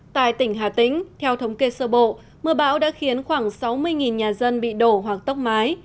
tại tỉnh hà tĩnh theo thống kê sơ bộ mưa bão đã khiến khoảng sáu mươi nhà dân bị đổ hoặc tốc mái